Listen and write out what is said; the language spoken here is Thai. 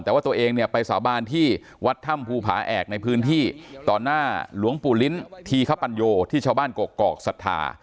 แต่ว่าตัวเองเนี่ยไปสาบานที่วัดถ้ำภูผาแอกในพื้นที่ต่อหน้าหลวงปู่ลิ้นทีคปัญโยที่ชาวบ้านกกอกศรัทธา